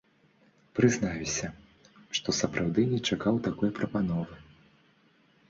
Прызнаюся, што сапраўды не чакаў такой прапановы.